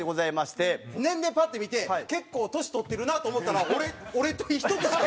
年齢パッて見て結構年取ってるなと思ったら俺と１つしか。